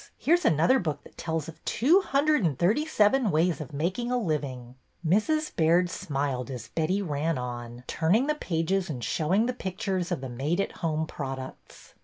Here 's another book that tells of two hundred and thirty seven ways of making a living." Mrs. Baird smiled as Betty ran on, turning the pages and showing the pictures of the made at home products.